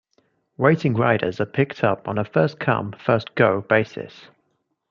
Waiting riders are picked up on a first come, first go basis.